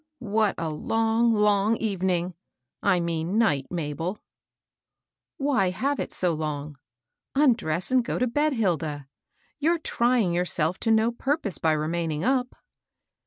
" What a long, long evening! — I mean night, Mabel." 90 MABEL ROco. *' Why have it so long ? Undress, and go to hed, Hilda. You're trying yourself to no purpose by remaining up."